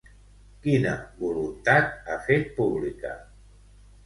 Quina voluntat ha fet pública?